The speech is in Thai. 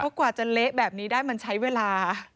เพราะกว่าจะเละแบบนี้ได้มันใช้เวลา